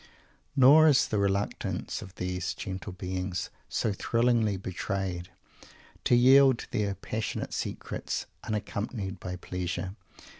Nor is the reluctance of these gentle beings, so thrillingly betrayed, to yield their passionate secrets, unaccompanied by pleasure.